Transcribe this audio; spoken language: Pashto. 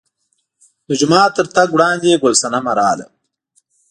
د جومات تر تګ وړاندې ګل صنمه راغله.